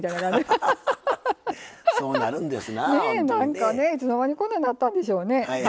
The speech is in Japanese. ねえ何かねいつの間にこんなんなったんでしょうね。